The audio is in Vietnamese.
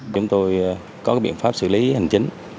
chúng tôi có biện pháp xử lý hành chính